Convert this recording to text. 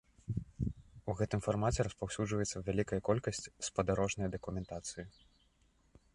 У гэтым фармаце распаўсюджваецца вялікая колькасць спадарожнай дакументацыі.